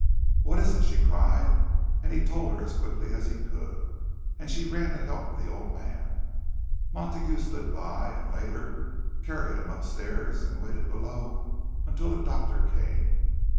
"What is it?" she cried. And he told her, as quickly as he could, and she ran to help the old man. Montague stood by, and later carried him upstairs, and waited below until the doctor came.